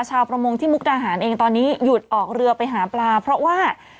ชาวประมงที่มุกดาหารเองตอนนี้หยุดออกเรือไปหาปลาเพราะว่า